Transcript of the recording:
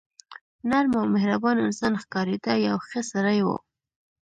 نرم او مهربان انسان ښکارېده، یو ښه سړی و.